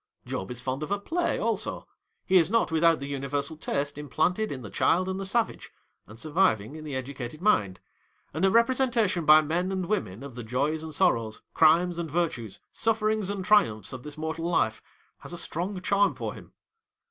Job is fond of a play, also. He is not without the uni versal taste implanted in the child and the savage, and surviving in the educated mind ; and a representation by men and women, of the joys and sorrows, crimes and virtues, sufferings and triumphs, of this mortal life, has a strong charm for him.